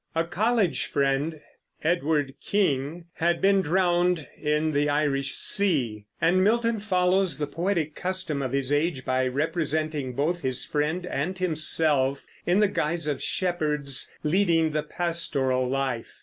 A college friend, Edward King, had been drowned in the Irish Sea, and Milton follows the poetic custom of his age by representing both his friend and himself in the guise of shepherds leading the pastoral life.